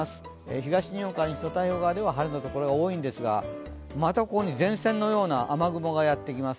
東日本、太平洋側では晴れのところが多いんですがまたここに前線のような雨雲がやってきます。